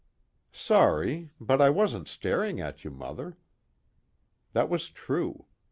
"Sorry. But I wasn't staring at you, Mother." That was true.